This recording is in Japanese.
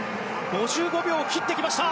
５５秒を切ってきました。